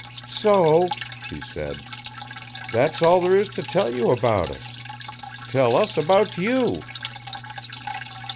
"So," she said, "that's all there is to tell you about us. Tell us about you."